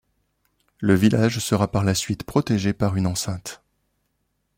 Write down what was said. Le village sera par la suite protégé par une enceinte.